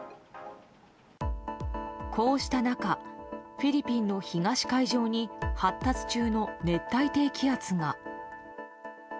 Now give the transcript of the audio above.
こうした中フィリピンの東海上に発達中の熱帯低気圧が。